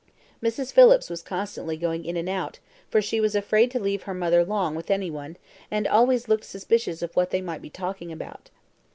Mrs. Phillips was constantly going in and out, for she was afraid to leave her mother long with any one, and always looked suspicious of what they might be talking about.